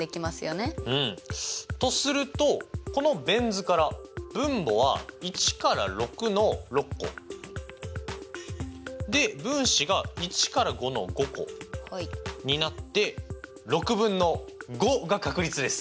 うん。とするとこのベン図から分母は１から６の６個で分子が１から５の５個になって６分の５が確率です！